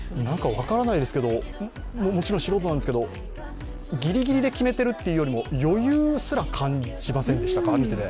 なんか分からないですけど、もちろん素人なんですけどギリギリで決めてるというよりも余裕すら感じませんでしたか。